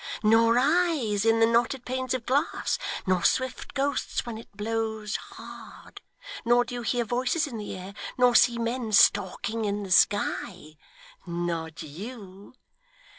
Nor eyes in the knotted panes of glass, nor swift ghosts when it blows hard, nor do you hear voices in the air, nor see men stalking in the sky not you!